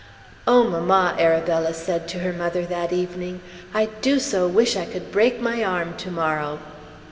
"Oh, mamma," Arabella said to her mother that evening, "I do so wish I could break my arm to morrow."